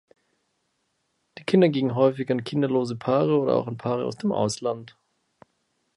Die Kinder gingen häufig an kinderlose Paare oder auch an Paare aus dem Ausland.